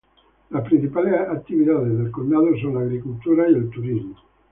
Las principales actividades del condado son la agricultura y el turismo.